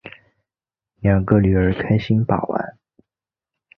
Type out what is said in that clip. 两个女儿开心把玩